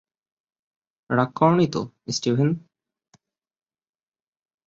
রাগ করোনি তো, স্টিভেন?